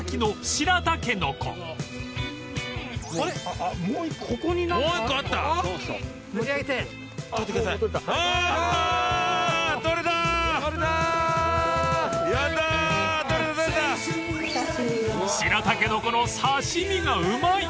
［白たけのこの刺し身がうまい！］